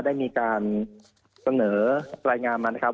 ได้มีการเสนอรายงามนั้นว่า